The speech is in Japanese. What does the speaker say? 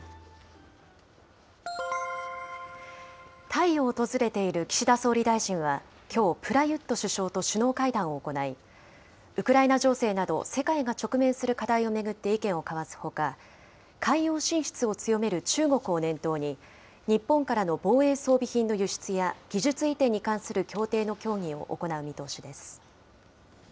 タイを訪れている岸田総理大臣は、きょう、プラユット首相と首脳会談を行い、ウクライナ情勢など世界が直面する課題を巡って意見を交わすほか、海洋進出を強める中国を念頭に、日本からの防衛装備品の輸出や、技術移転に関する協定の協議を行う見通しです。